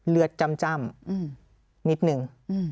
เลือดจำนิดหนึ่ง